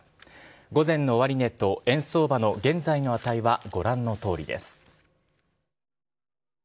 午前の終値と円相場の現在の値は、ご覧のとおりです。